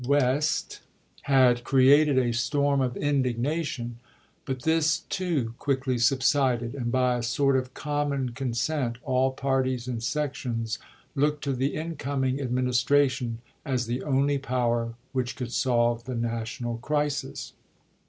West had created a storm of indignation ; but this, too, quickly subsided, and by a sort of common consent all parties and sections looked to the in i86i. coming Administration as the only power which could solve the national crisis.